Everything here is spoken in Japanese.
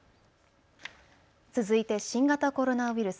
続いて新型コロナウイルス。